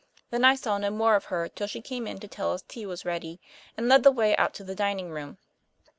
Then I saw no more of her till she came in to tell us tea was ready, and led the way out to the dining room.